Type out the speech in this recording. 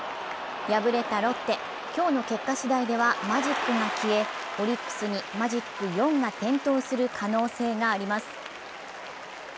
敗れたロッテ、今日の結果しだいではマジックが消えオリックスにマジック４が点灯する可能性があります。